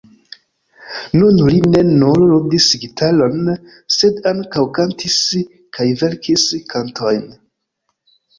Nun li ne nur ludis gitaron, sed ankaŭ kantis kaj verkis kantojn.